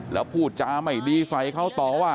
แล้วพูดจาไม่ดีใส่เขาต่อว่า